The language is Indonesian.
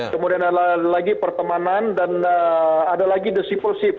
kemudian ada lagi pertemanan dan ada lagi discipleship